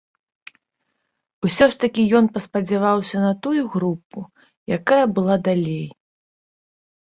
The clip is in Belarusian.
Усё ж такі ён паспадзяваўся на тую групу, якая была далей.